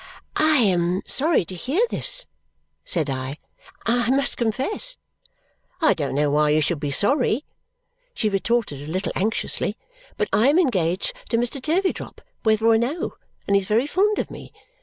"I am sorry to hear this," said I, "I must confess." "I don't know why you should be sorry," she retorted a little anxiously, "but I am engaged to Mr. Turveydrop, whether or no, and he is very fond of me.